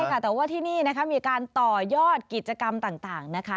ใช่ค่ะแต่ว่าที่นี่นะคะมีการต่อยอดกิจกรรมต่างนะคะ